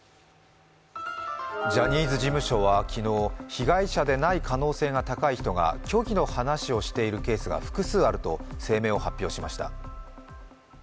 ジャニーズ事務所は昨日、被害者でない可能性の高い人が虚偽の話をしているケースが複数あると声明を発表しました。